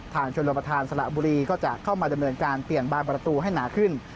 ฐานชนบทธานศัลบุรีก็จะเข้ามาเดินเรื่องการเปลี่ยนบ้านประตูให้หนาขึ้น